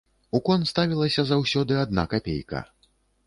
У кон ставілася заўсёды адна капейка.